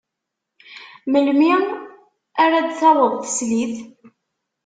Melmi ara d-taweḍ teslit?